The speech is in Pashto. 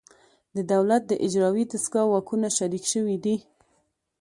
د دولت د اجرایوي دستگاه واکونه شریک شوي دي